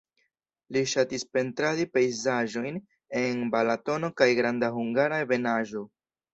Li ŝatis pentradi pejzaĝojn en Balatono kaj Granda Hungara Ebenaĵo.